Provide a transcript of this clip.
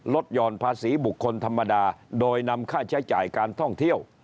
หย่อนภาษีบุคคลธรรมดาโดยนำค่าใช้จ่ายการท่องเที่ยว